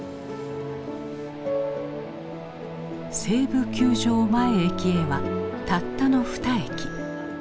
西武球場前駅へはたったの２駅。